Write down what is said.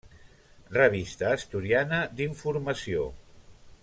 Revista asturiana d'informació.